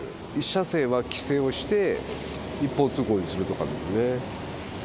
１車線は規制をして、一方通行にするとかですね。